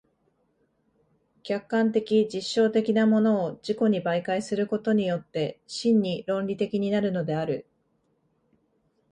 客観的実証的なものを自己に媒介することによって真に論理的になるのである。